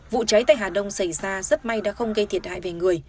vụ cháy tại hà đông xảy ra rất may đã không gây thiệt hại về người